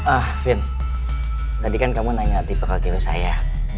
ah vin tadi kan kamu nanya tipe kecil saya